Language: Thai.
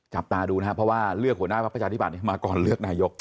จับตาดูนะครับเพราะว่าเลือกหัวหน้าพักประชาธิบัตย์มาก่อนเลือกนายก